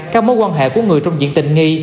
các mối quan hệ của người trong diện tình nghi